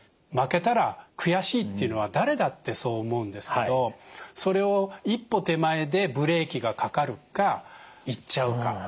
負けたら悔しいっていうのは誰だってそう思うんですけどそれを一歩手前でブレーキがかかるか言っちゃうか。